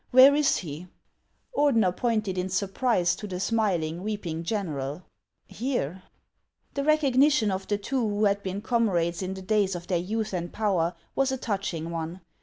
Where is he ?" Ordener pointed in surprise to the smiling, weeping general :" Here !" The recognition of the two who had been comrades in the days of their youth and power was a touching one.